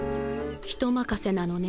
人まかせなのね